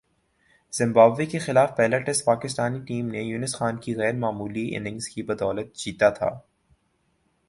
Zimbabwe کے خلاف پہلا ٹیسٹ پاکستانی ٹیم نے یونس خان کی غیر معمولی اننگز کی بدولت جیتا تھا ۔